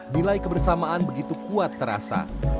nilai kebersamaan begitu kuat terasa